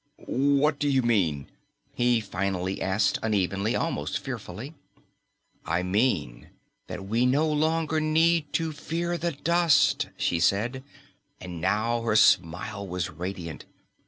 "What do you mean?" he finally asked unevenly, almost fearfully. "I mean that we no longer need to fear the dust," she said, and now her smile was radiant.